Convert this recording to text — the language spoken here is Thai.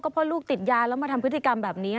เพราะลูกติดยาแล้วมาทำพฤติกรรมแบบนี้